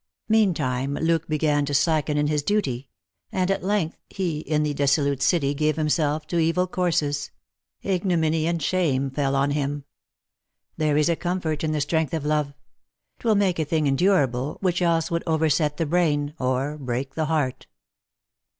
Meantime Luke began To slacken in his duty ; and, at length, He in the dissolute city gave himself To evil eourses : ignominy and tUmo Fell on him —*##* There is a comfort in the strength of love ; 'Twill make a thing endurable, which else Would overset the brain, or break the heart."